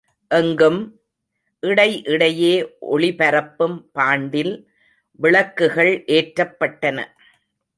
எங்கும், இடை இடையே ஒளிபரப்பும் பாண்டில் விளக்குகள் ஏற்றப்பட்டன.